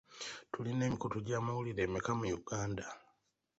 Tulina emikutu gy'amawulire emeka mu Uganda?